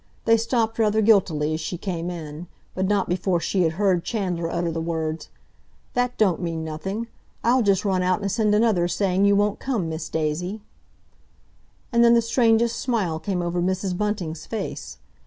They stopped rather guiltily as she came in, but not before she had heard Chandler utter the words: "That don't mean nothing! I'll just run out and send another saying you won't come, Miss Daisy." And then the strangest smile came over Mrs. Bunting's face.